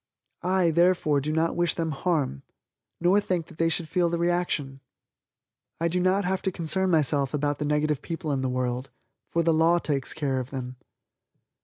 I, therefore, do not wish them harm, nor think that they should feel the reaction. I do not have to concern myself about the negative people in the world for the law takes care of them.